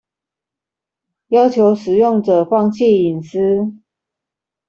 要求使用者放棄隱私